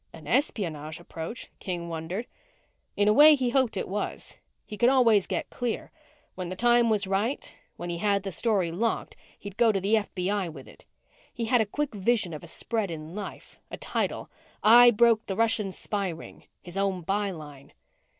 An espionage approach? King wondered. In a way, he hoped it was. He could always get clear. When the time was right, when he had the story locked, he'd go to the FBI with it. He had a quick vision of a spread in Life, a title: "I Broke the Russian Spy Ring." His own by line.